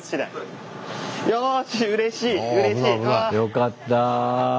よかった。